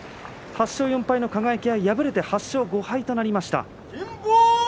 ８勝４敗の輝は敗れて８勝５敗となりました。